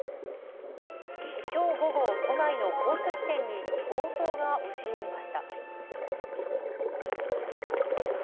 きょう午後、都内の宝石店に強盗が押し入りました。